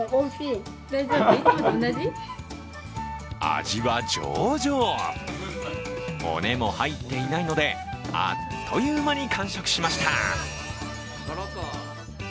味は上々、骨も入っていないのであっという間に完食しました。